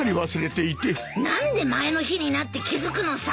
何で前の日になって気付くのさ。